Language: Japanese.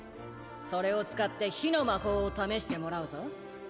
それを使って火の魔法を試してもらうぞ。